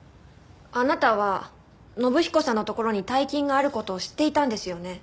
あなたは信彦さんのところに大金がある事を知っていたんですよね？